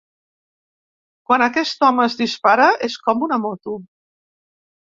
Quan aquest home es dispara és com una moto.